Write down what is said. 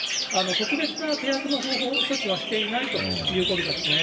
特別な停泊の方法、措置はしていないということですね。